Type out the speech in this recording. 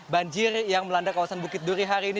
banjir yang melanda kawasan bukit duri hari ini